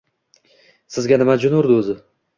Sizga nima jin urdi o`zi